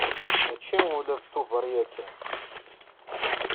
Mačči ula d Tubeṛ yakan.